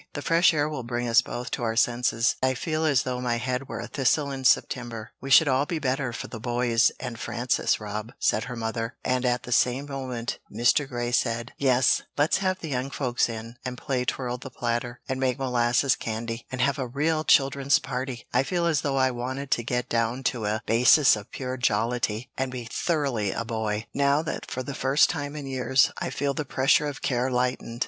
The fresh air will bring us both to our senses I feel as though my head were a thistle in September." "We should all be better for the boys and Frances, Rob," said her mother, and at the same moment Mr. Grey said: "Yes, let's have the young folks in, and play twirl the platter, and make molasses candy, and have a real, children's party I feel as though I wanted to get down to a basis of pure jollity and be thoroughly a boy, now that for the first time in years I feel the pressure of care lightened."